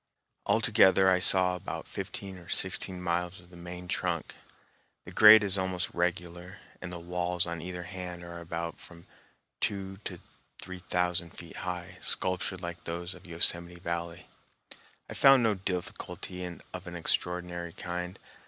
Altogether, I saw about fifteen or sixteen miles of the main trunk. The grade is almost regular, and the walls on either hand are about from two to three thousand feet high, sculptured like those of Yosemite Valley. I found no difficulty of an extraordinary kind.